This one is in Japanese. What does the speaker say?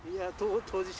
当事者。